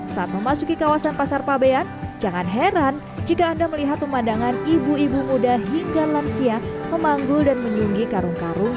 saat memasuki kawasan pasar pabean jangan heran jika anda melihat pemandangan ibu ibu muda hingga lansia memanggul dan menyunggi karung karung